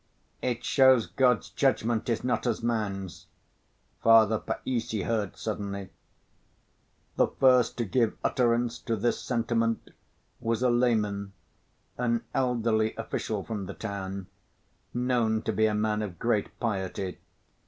"It shows God's judgment is not as man's," Father Païssy heard suddenly. The first to give utterance to this sentiment was a layman, an elderly official from the town, known to be a man of great piety.